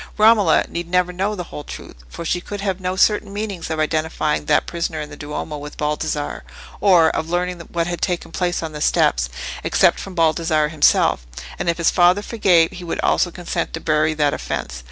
Romola need never know the whole truth, for she could have no certain means of identifying that prisoner in the Duomo with Baldassarre, or of learning what had taken place on the steps, except from Baldassarre himself; and if his father forgave, he would also consent to bury, that offence.